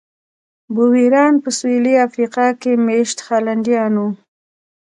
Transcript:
بویران په سوېلي افریقا کې مېشت هالنډیان وو.